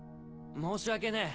申し訳ねえ。